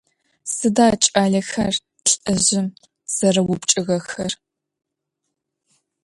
Sıda ç'alexer lh'ızjım zerêupçç'ığexer?